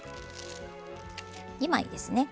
２枚ですね。